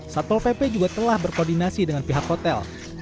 satpol pp juga telah berkoordinasi dengan pihak hotel